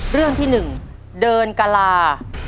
เรื่องที่๑เดินกลา